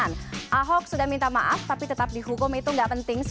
jadi kalau flight two ior